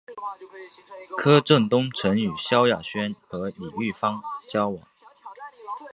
柯震东曾与萧亚轩和李毓芬交往。